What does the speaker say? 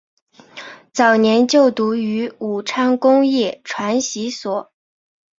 早年就读于武昌工业传习所。